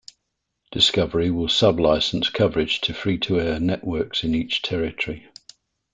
Discovery will sub-license coverage to free-to-air networks in each territory.